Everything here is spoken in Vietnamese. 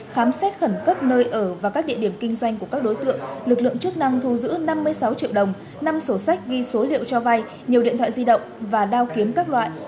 khám xét khẩn cấp nơi ở và các địa điểm kinh doanh của các đối tượng lực lượng chức năng thu giữ năm mươi sáu triệu đồng năm sổ sách ghi số liệu cho vay nhiều điện thoại di động và đao kiếm các loại